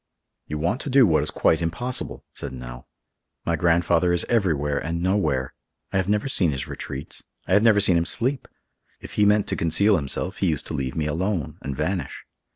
"You want to do what is quite impossible," said Nell. "My grandfather is everywhere and nowhere. I have never seen his retreats. I have never seen him sleep. If he meant to conceal himself, he used to leave me alone, and vanish.